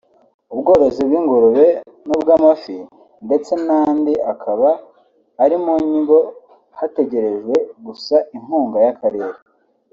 ubworozi bw’ingurube n’ubw’amafi ndetse n’andi akaba ari mu nyigo hategerejwe gusa inkunga y’Akarere